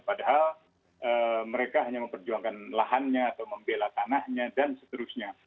padahal mereka hanya memperjuangkan lahannya atau membela tanahnya dan seterusnya